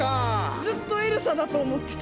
ずっとエルサだと思ってた。